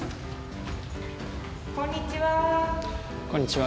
こんにちは。